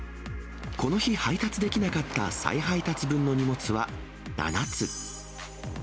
この日配達できなかった再配達分の荷物は７つ。